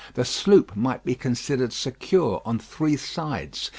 The sloop might be considered secure on three sides.